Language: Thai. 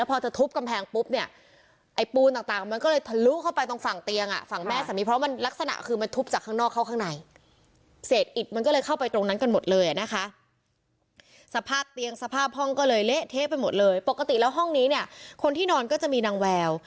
ผังก็เลยเละเทะไปหมดเลยปกติแล้วห้องนี้เนี่ยคนที่นอนก็จะมีนางแวว